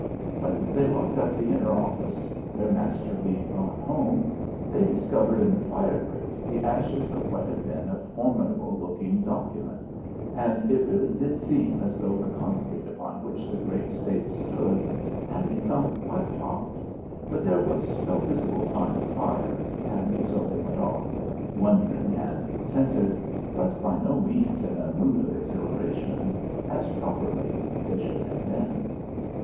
When they locked up the inner office their master being gone home they discovered in the fire grate the ashes of what had been a formidable looking document, and it really did seem as though the concrete upon which the great safe stood had become quite hot, but there was no visible sign of fire, and so they went off, wondering and contented, but by no means in a mood of exhilaration, as properly they should have been.